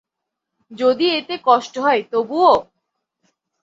যদি এতে কষ্ট হয়, তবুও?